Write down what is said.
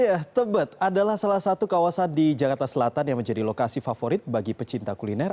ya tebet adalah salah satu kawasan di jakarta selatan yang menjadi lokasi favorit bagi pecinta kuliner